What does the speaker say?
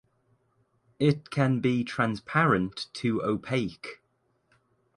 It can be transparent to opaque.